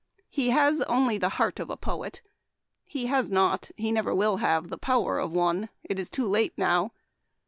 He has only the heart of a poet. He has not, he never will have, the power of one. It is too late now.